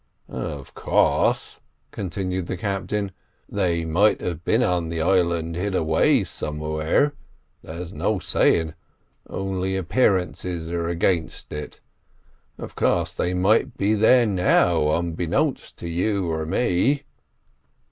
"Of course," continued the captain, "they might have been on the island hid away som'ere, there's no saying; only appearances are against it. Of course they might be there now unbeknownst to you or me."